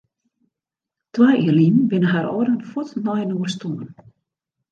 Twa jier lyn binne har âlden fuort nei inoar stoarn.